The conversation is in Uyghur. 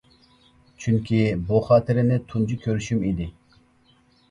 چۈنكى، بۇ خاتىرىنى تۇنجى كۆرۈشۈم ئىدى.